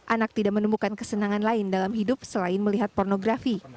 anak tidak menemukan kesenangan lain dalam hidup selain melihat pornografi